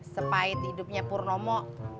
sepahit hidupnya purnomo